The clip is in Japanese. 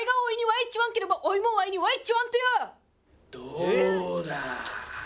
どうだぁ？